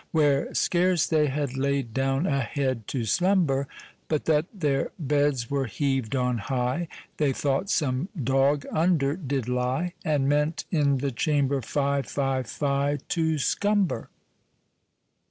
Where scarce they had laid down a head To slumber, But that their beds were heav'd on high; They thought some dog under did lie, And meant i' th' chamber (fie, fie, fie) To scumber.